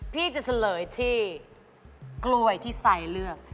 พี่จะเฉลยที่กล้วยที่ไซเลือก